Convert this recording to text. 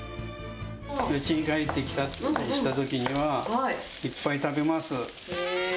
うちに帰ってきたりしたときには、いっぱい食べます。